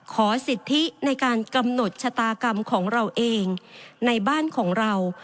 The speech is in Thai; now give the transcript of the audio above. ขอสิทธิในการกำหนดชะตากรรมของเราเองในบ้านของเรา